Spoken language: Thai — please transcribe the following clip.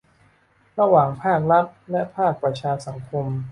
ระหว่างภาครัฐและภาคประชาสังคม